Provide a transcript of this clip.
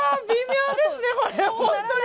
微妙ですね。